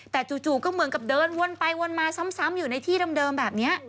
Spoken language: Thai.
แต่จู่ก็เหมือนกับเดินวนไปวนมาซ้ำอยู่ในที่เดิมแบบนี้